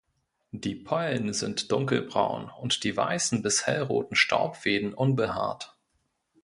Die Pollen sind dunkelbraun, und die weißen bis hellroten Staubfäden unbehaart.